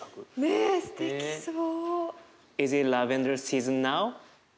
ねえすてきそう。